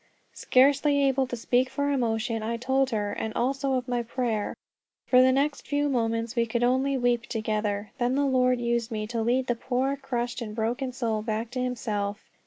Scarcely able to speak for emotion, I told her, and also of my prayer. For the next few moments we could only weep together. Then the Lord used me to lead the poor crushed and broken soul back to himself.